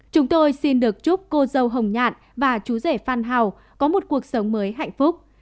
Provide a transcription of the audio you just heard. chúng tôi xin được chúc cô dâu hồng nhạn và chú rể phan hào có một cuộc sống mới hạnh phúc